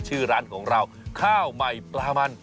ชื่อร้านของเราข้าวใหม่ปลามัน